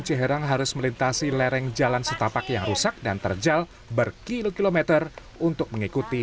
ceherang harus melintasi lereng jalan setapak yang rusak dan terjal berkilometer untuk mengikuti